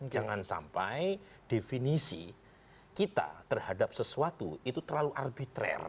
jangan sampai definisi kita terhadap sesuatu itu terlalu arbitrare